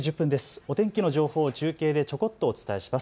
お天気の情報を中継でちょこっとお伝えします。